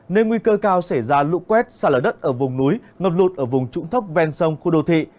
nên nguy cơ cao xảy ra lũ quét xa lở đất ở vùng núi ngập lụt ở vùng trũng thấp ven sông khu đô thị